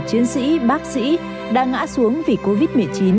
chiến sĩ bác sĩ đã ngã xuống vì covid một mươi chín